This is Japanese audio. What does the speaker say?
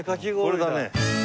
これだね。